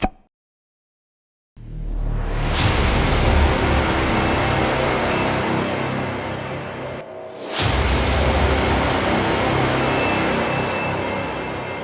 เสียงโบราณ